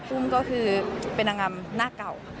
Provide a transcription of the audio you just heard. อุ้มก็คือเป็นนางงามหน้าเก่า